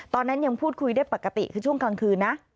ตอนนั้นยังพูดคุยได้ปกติคือช่วงกลางคืนนะ